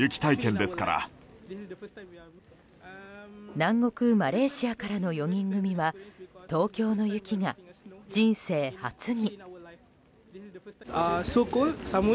南国マレーシアからの４人組は東京の雪が人生初に。